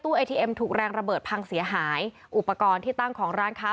เอทีเอ็มถูกแรงระเบิดพังเสียหายอุปกรณ์ที่ตั้งของร้านค้า